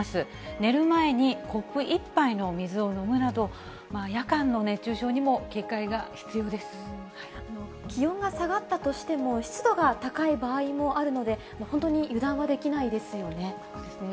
寝る前にコップ１杯の水を飲むなど、夜間の熱中症にも警戒が必要気温が下がったとしても、湿度が高い場合もあるので、本当に油断はできないですよね。